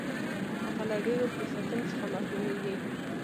هغه له ډېرو فرصتونو څخه محرومیږي.